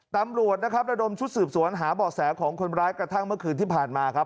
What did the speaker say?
ตำรวจนะครับระดมชุดสืบสวนหาเบาะแสของคนร้ายกระทั่งเมื่อคืนที่ผ่านมาครับ